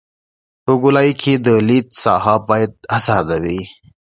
په ګولایي کې د لید ساحه باید ازاده وي